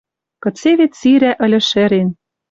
Кыце вет сирӓ ыльы шӹрен.